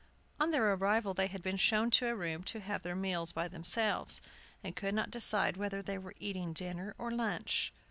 On their arrival they had been shown to a room to have their meals by themselves, and could not decide whether they were eating dinner or lunch.